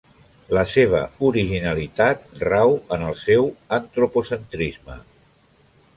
La seva originalitat rau en el seu antropocentrisme.